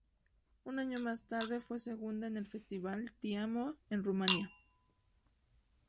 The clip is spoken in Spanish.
Un año más tarde, fue segunda en el festival "Ti Amo" en Rumanía.